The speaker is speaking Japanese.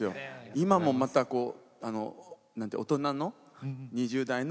今もまた大人の２０代の